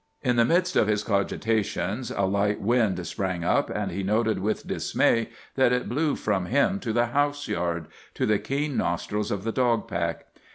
In the midst of his cogitations a light wind sprang up, and he noted with dismay that it blew from him to the house yard—to the keen nostrils of the dog pack.